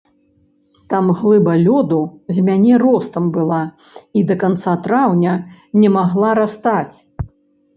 Там глыба лёду з мяне ростам была і да канца траўня не магла растаць.